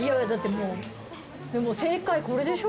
もう正解これでしょ？